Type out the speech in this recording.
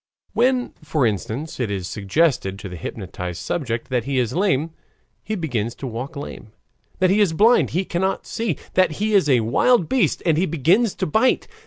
When, for instance, it is suggested to the hypnotized subject that he is lame, he begins to walk lame, that he is blind, and he cannot see, that he is a wild beast, and he begins to bite.